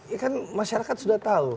ya kan masyarakat sudah tahu